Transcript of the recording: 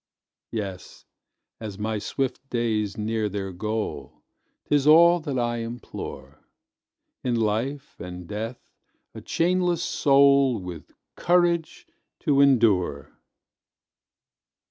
Yes, as my swift days near their goal 'Tis all that I implore In life and death a chainless soul With courage to endure!